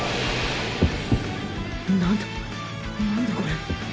何だ何だこれ！